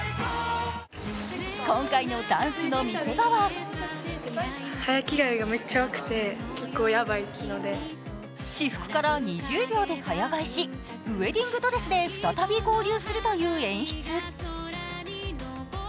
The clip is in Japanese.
今回のダンスの見せ場は私服から２０秒で速き替えし、ウエディングドレスで再び合流。